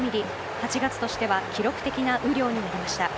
８月としては記録的な雨量になりました。